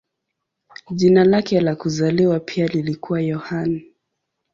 Jina lake la kuzaliwa pia lilikuwa Yohane.